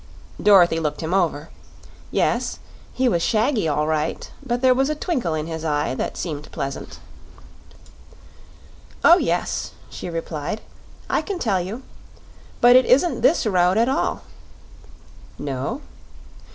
Dorothy looked him over. Yes, he was shaggy, all right, but there was a twinkle in his eye that seemed pleasant. "Oh yes," she replied; "I can tell you. But it isn't this road at all." "No?"